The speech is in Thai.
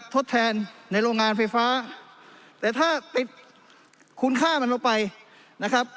ทดแทนในโรงงานไฟฟ้าแต่ถ้าติดคุณค่ามันลงไปนะครับ